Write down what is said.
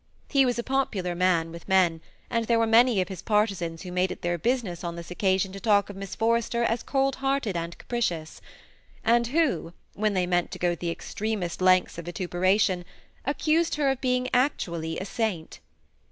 He was a popular man with men, and there were many of his partisans who made it their business on this occasion to talk of Miss Forrester as cold hearted and capricious ; and who, when they meant to go the extremest lengths of vituperation, accused her of being actually a saint.